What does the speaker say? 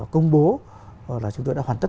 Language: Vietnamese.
công bố là chúng tôi đã hoàn tất